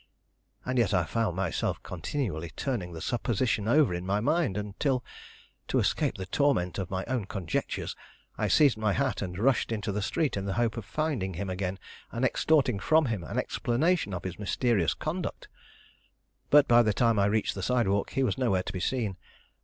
And yet I found myself continually turning the supposition over in my mind until, to escape the torment of my own conjectures, I seized my hat, and rushed into the street in the hope of finding him again and extorting from him an explanation of his mysterious conduct. But by the time I reached the sidewalk, he was nowhere to be seen.